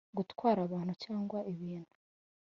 gutwara abantu cyangwa ibintu